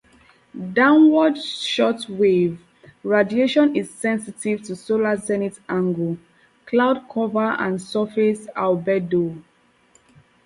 Downward shortwave radiation is sensitive to solar zenith angle, cloud cover and surface albedo.